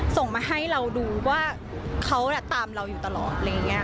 ส่งมาให้เราดูว่าเขาตามเราอยู่ตลอด